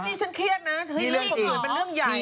เฮ้ยนี่ฉันเครียดนะนี่เรื่องอีกเป็นเรื่องใหญ่